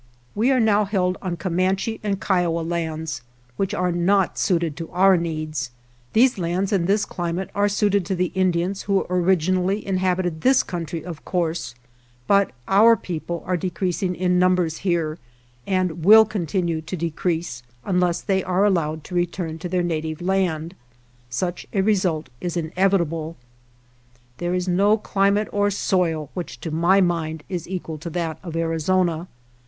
We are now held on Comanche and Kiowa lands, which are not suited to our needs — these lands and this climate are suited to the Indians who originally in habited this country, of course, but our people are decreasing in numbers here, and will continue to decrease unless they are allowed to return to their native land. Such a result is inevitable. 2!4 HOPES FOR THE FUTURE There is no climate or soil which, to my mind, is equal to that of Arizona.